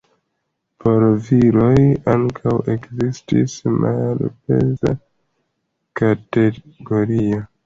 Por viroj ankaŭ ekzistis malpeza kategorio.